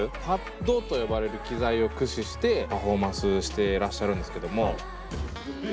パッドと呼ばれる機材を駆使してパフォーマンスしてらっしゃるんですけども。